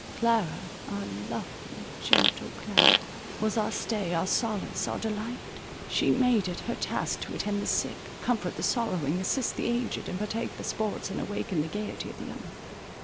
Clara, our lovely gentle Clara, was our stay, our solace, our delight. She made it her task to attend the sick, comfort the sorrowing, assist the aged, and partake the sports and awaken the gaiety of the young.